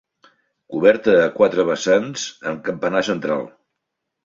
Coberta a quatre vessants amb campanar central.